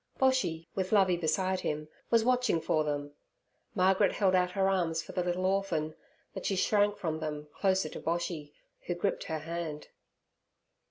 Boshy, with Lovey beside him, was watching for them. Margaret held out her arms for the little orphan, but she shrank from them closer to Boshy, who gripped her hand.